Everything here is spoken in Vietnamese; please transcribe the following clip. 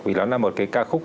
vì nó là một cái ca khúc